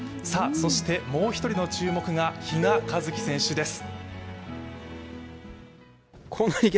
そしてもう一人の注目が比嘉一貴選手です。